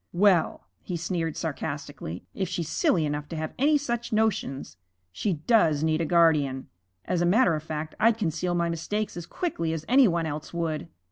'Well,' he sneered sarcastically, 'if she's silly enough to have any such notions, she does need a guardian! As a matter of fact, I'd conceal my mistakes as quickly as any one else would.'